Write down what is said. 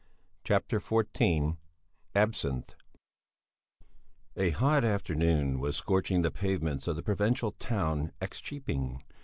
CHAPTER XIV ABSINTH A hot afternoon sun was scorching the pavements of the provincial town X köping.